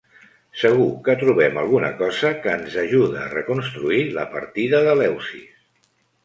Segur que trobem alguna cosa que ens ajuda a reconstruir la partida d'Eleusis.